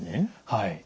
はい。